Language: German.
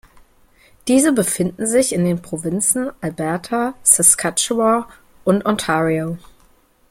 Diese befinden sich in den Provinzen Alberta, Saskatchewan und Ontario.